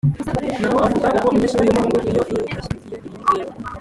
Naho avuga ukwo, umunyeshuli w'umuhungu Killion Phiri arashigikiye iyo ngingo.